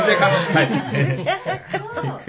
はい。